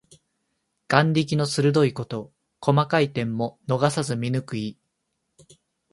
眼力の鋭いこと。細かい点も逃さず見抜く意。